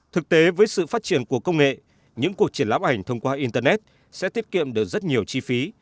thực tế với sự phát triển của công nghệ những cuộc triển lãm ảnh thông qua internet sẽ tiết kiệm được rất nhiều chi phí